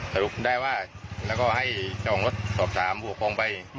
สรุปได้ว่าแล้วก็ให้เจ้าของรถสอบถามผู้ปกครองไป